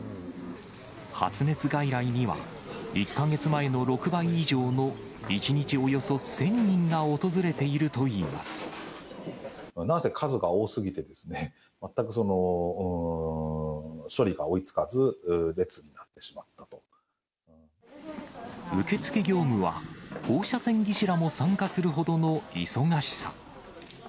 発熱外来には、１か月前の６倍以上の１日およそ１０００人が訪れているといいまなんせ数が多すぎてですね、全くその処理が追いつかず、受け付け業務は、放射線技師らも参加するほどの忙しさ。